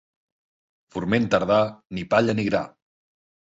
Forment tardà, ni palla ni gra.